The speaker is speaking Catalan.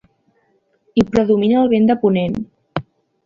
Hi predomina el vent de ponent.